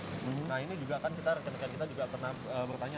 nah ini juga kan kita rekan rekan kita juga pernah bertanya